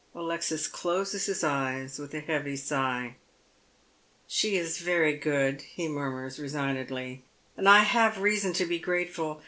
Alexis closes his eyes with a heavy sigh. " She is very good," he murmurs resignedly, " and I have reason to be grateful.